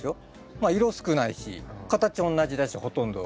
まあ色少ないし形おんなじだしほとんど。